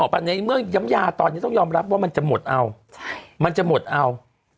เบื้องยำยาตอนนี้ต้องยอมรับว่ามันจะหมดเอา